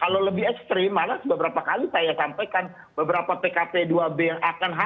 kalau lebih ekstrim malah beberapa kali saya sampaikan beberapa tkp dua b yang akan hadir